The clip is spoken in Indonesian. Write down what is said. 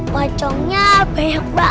pocongnya banyak banget lagi